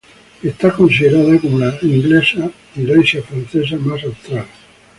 Está considerada como la iglesia francesa más austral.